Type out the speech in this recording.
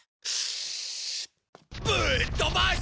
「ぶっ飛ばす！